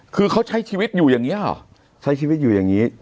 คือเขาใช้ชีวิตอยู่อย่างนี้หรอใช้ชีวิตอยู่อย่างนี้